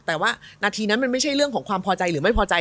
แต่ว่านาทีนั้นมันไม่ใช่เรื่องของความพอใจหรือไม่พอใจ